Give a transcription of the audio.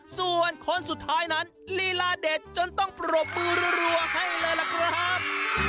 ส่วนคนสุดท้ายนั้นลีลาเด็ดจนต้องปรบมือรัวให้เลยล่ะครับ